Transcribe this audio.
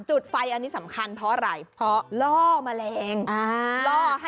จุดไฟอันนี้สำคัญเพราะมันทิ้งยะ